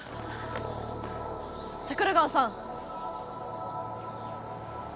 桜川さん！